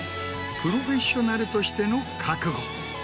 プロフェッショナルとしての覚悟。